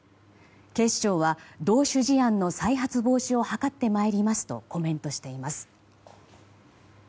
警視庁は同種事案の再発防止を図ってまいりますとコメントしています。